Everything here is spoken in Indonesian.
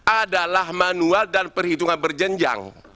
adalah manual dan perhitungan berjenjang